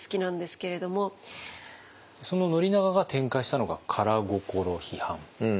その宣長が展開したのが「漢意」批判ですよね。